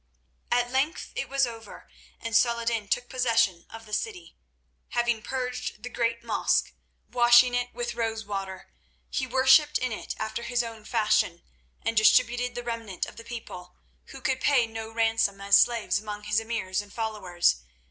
At length it was over, and Saladin took possession of the city. Having purged the Great Mosque, washing it with rose water, he worshipped in it after his own fashion, and distributed the remnant of the people who could pay no ransom as slaves among his emirs and followers.